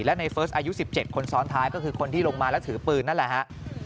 และในเฟิร์สอายุ๑๗คนซ้อนท้ายก็คือคนที่ลงมาแล้วถือปืนนั่นแหละฮะ